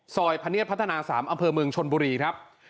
พะเนียดพัฒนา๓อำเภอเมืองชนบุรีครับ